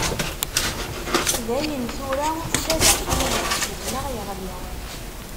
Dayen tura, ula d axxam n jeddi-tneɣ yeɣli.